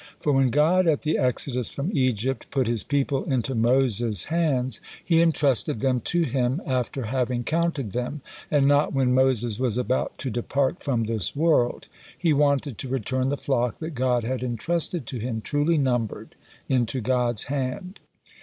For when God at the exodus from Egypt put his people into Moses' hands, He entrusted them to him after having counted them, and not when Moses was about to depart from this world, he wanted to return the flock that God had entrusted to him, truly numbered, into God's hand.